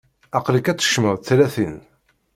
Aql-ik ad tkecmeḍ tlatin.